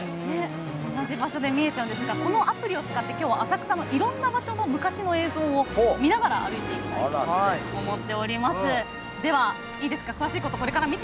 同じ場所で見えちゃうんですがこのアプリを使って浅草のいろいろな場所の昔の映像を見ながら歩いていきたいと思います。